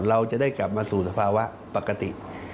เราจะได้กลับมาสู่สภาวะปกติ